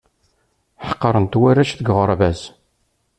Ḥeqren-t warrac deg uɣerbaz.